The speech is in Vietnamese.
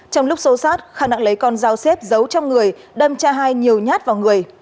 trong lúc xô sát kha đã lấy con dao xếp giấu trong người đâm cha hai nhiều nhát vào người